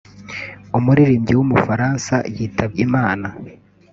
umuririmbyi w’umufaransa yitabye Imana